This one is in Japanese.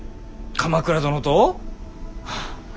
鎌倉殿と？